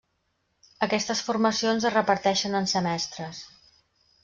Aquestes formacions es reparteixen en semestres.